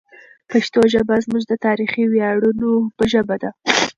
پښتو ژبه زموږ د تاریخي ویاړونو ژبه ده.